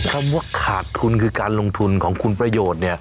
คำว่าขาดทุนคือการลงทุนของคุณประโยชน์